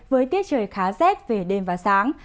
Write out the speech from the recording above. với tiết trời khá rét về đêm và sáng